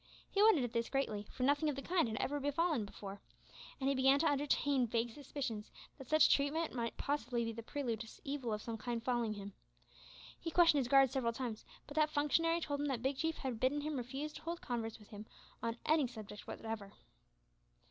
He wondered at this greatly, for nothing of the kind had ever happened before, and he began to entertain vague suspicions that such treatment might possibly be the prelude to evil of some kind befalling him. He questioned his guard several times, but that functionary told him that Big Chief had bidden him refuse to hold converse with him on any subject whatever.